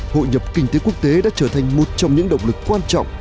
hội nhập kinh tế quốc tế đã trở thành một trong những động lực quan trọng